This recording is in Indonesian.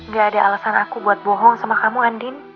gak ada alasan aku buat bohong sama kamu andin